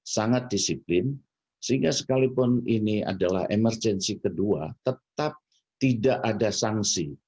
sangat disiplin sehingga sekalipun ini adalah emergensi kedua tetap tidak ada sanksi